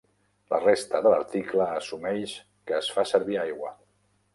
La resta de l'article assumeix que es fa servir aigua.